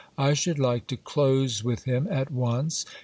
I should like to close with him at once.